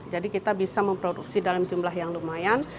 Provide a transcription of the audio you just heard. jadi kita bisa memproduksi dalam jumlah yang lumayan